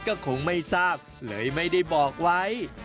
ก็คงไม่ทราบเลยไม่ได้บอกไว้